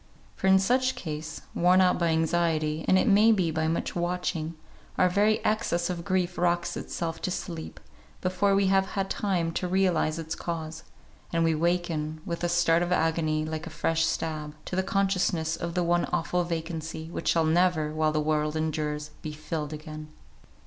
For in such case, worn out by anxiety, and it may be by much watching, our very excess of grief rocks itself to sleep, before we have had time to realise its cause; and we waken, with a start of agony like a fresh stab, to the consciousness of the one awful vacancy, which shall never, while the world endures, be filled again.